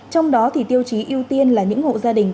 trong đó thì tiêu chí ưu tiên là những hộ gia đình